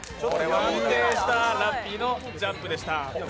安定したラッピーのジャンプでした。